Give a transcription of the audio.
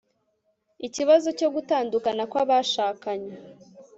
ikibazo cyo gutandukana kw'abashakanye